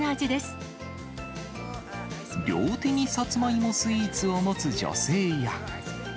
両手にサツマイモスイーツを持つ女性や。